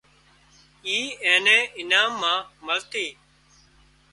اي اين نين انعام مان مۯِي تي